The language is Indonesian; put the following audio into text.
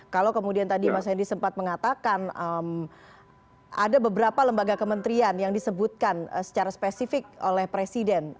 kalau kemudian tadi mas hendy sempat mengatakan ada beberapa lembaga kementerian yang disebutkan secara spesifik oleh presiden